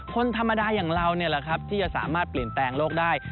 คนธรรมดาอย่างเรานี่แหละครับที่จะสามารถเปลี่ยนแปลงโลกได้